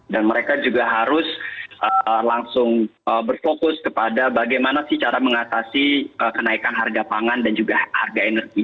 dan mereka juga harus langsung berfokus kepada bagaimana sih cara mengatasi kenaikan harga pangan dan juga harga energi